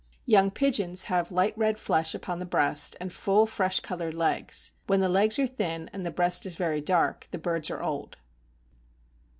Young pigeons have light red flesh upon the breast, and full, fresh colored legs; when the legs are thin, and the breast is very dark, the birds are old.